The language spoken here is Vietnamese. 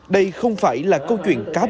đây không phải là câu chuyện cá biệt